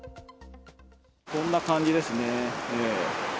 こんな感じですね。